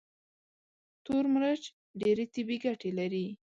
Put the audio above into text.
تور مرچ ډېرې طبي ګټې لري.